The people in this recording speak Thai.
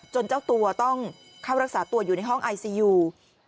เจ้าตัวต้องเข้ารักษาตัวอยู่ในห้องไอซียู